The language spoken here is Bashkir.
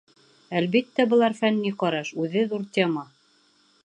Әлбиттә, былар — фәнни ҡараш, үҙе ҙур тема.